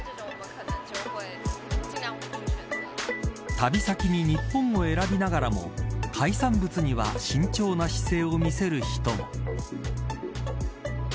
旅先に日本を選びながらも海産物には慎重な姿勢を見せる人も。